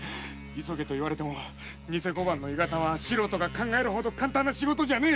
「急げ」と言われても偽小判の鋳型は素人が考えるほど簡単な仕事じゃねえ！